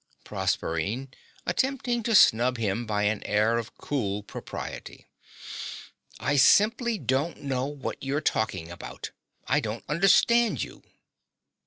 PROSERPINE (attempting to snub him by an air of cool propriety). I simply don't know what you're talking about. I don't understand you.